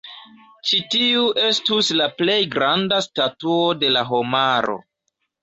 Ĉi-tiu estus la plej granda statuo de la homaro.